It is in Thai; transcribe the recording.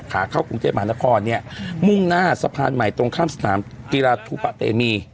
ขาเข้ากรุงเทพมหานครเนี่ยมุ่งหน้าสะพานใหม่ตรงข้ามสนามกีฬาทูปะเตมี